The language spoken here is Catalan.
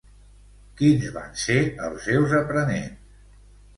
Quins van ser els seus aprenents?